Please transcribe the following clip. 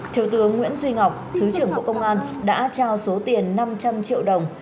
thiếu tướng nguyễn duy ngọc thứ trưởng bộ công an đã trao số tiền năm trăm linh triệu đồng